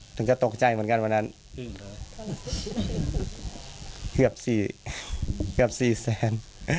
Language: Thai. ถึงจะตกใจเหมือนกันวันนั้นเกือบ๔แสน